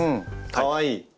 かわいい。